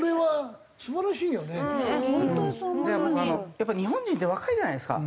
やっぱ日本人って若いじゃないですか。